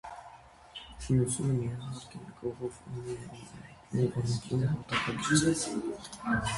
Շինությունը միահարկ է, նկուղով, ունի ուղղանկյուն հատակագիծ։